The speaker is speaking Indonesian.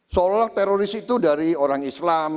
seolah olah teroris itu dari orang islam